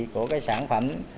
của cái sản phẩm